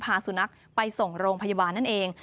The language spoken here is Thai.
พาสุนัขไปส่งโรงพยาบาลนั่นเอง